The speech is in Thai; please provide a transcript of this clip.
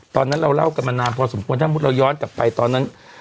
ตอนนั้นเราเล่ากันมานานพอสมควรถ้ามุติเราย้อนกลับไปตอนนั้น